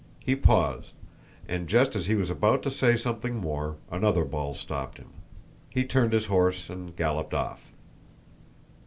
He paused, and just as he was about to say something more, another ball stopped him. He turned his horse and galloped off.